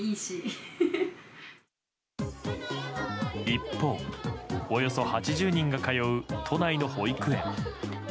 一方、およそ８０人が通う都内の保育園。